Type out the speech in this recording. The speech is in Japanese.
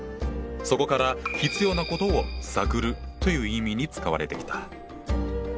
そこから必要なことを「探る」という意味に使われてきた。